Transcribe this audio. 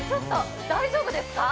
大丈夫ですか？